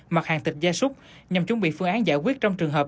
mặt hàng thịt gia súc nhằm chuẩn bị phương án giải quyết trong trường hợp